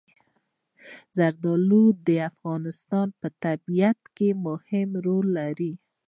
زردالو د افغانستان په طبیعت کې مهم رول لري.